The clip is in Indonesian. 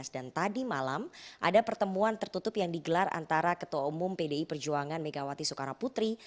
dan tadi malam ada pertemuan tertutup yang digelar antara ketua umum pdi perjuangan megawati soekarno putri